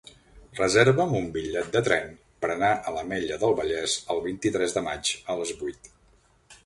Reserva'm un bitllet de tren per anar a l'Ametlla del Vallès el vint-i-tres de maig a les vuit.